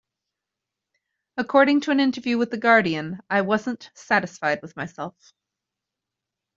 According to an interview with "The Guardian": "I wasn't satisfied with myself.